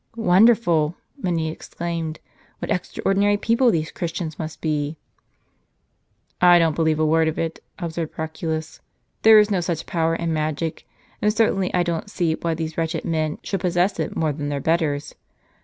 "Wonderful!" many exclaimed. "What extraordinary people these Christians must be !" "I don't believe a word of it," observed Proculus. "There is no such power in magic ; and certainly I don't see why these wretched men should possess it more than their betters.